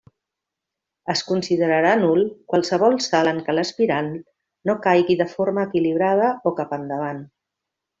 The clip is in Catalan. Es considerarà nul qualsevol salt en què l'aspirant no caigui de forma equilibrada o cap endavant.